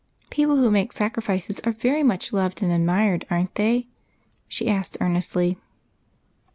People who make sacrifices are very much loved and admired, are n't they?" she asked, earnestly.